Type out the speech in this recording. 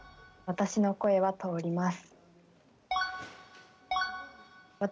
私の声は通ります。